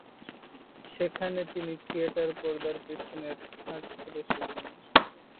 সেখানে তিনি থিয়েটারের পর্দার পিছনের কাজগুলো শিখেন।